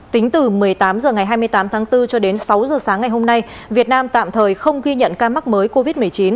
tính từ một mươi tám h ngày hai mươi tám tháng bốn cho đến sáu h sáng ngày hôm nay việt nam tạm thời không ghi nhận ca mắc mới covid một mươi chín